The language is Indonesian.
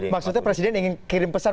maksudnya presiden ingin kirim pesan